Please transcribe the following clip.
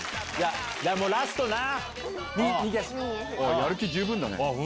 やる気十分だね。